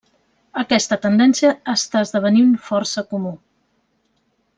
Aquesta tendència està esdevenint força comú.